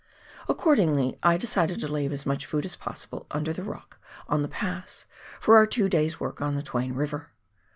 Accordingly I decided to leave as much food as possible under the rock on the pass for our two days' work on the Twain Hiver.